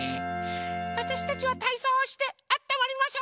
あたしたちはたいそうをしてあったまりましょ！